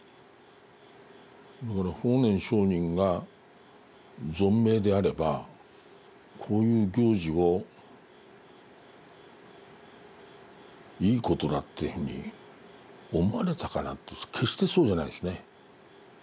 だから法然上人が存命であればこういう行事をいいことだというふうに思われたかなというと決してそうじゃないですね。